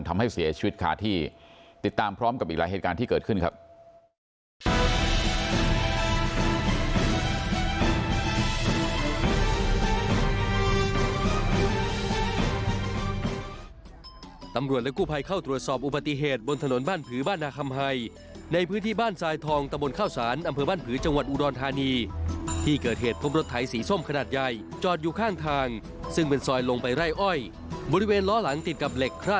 ทำให้เสียชีวิตคาที่ติดตามพร้อมกับอีกหลายเหตุการณ์ที่เกิดขึ้นครับ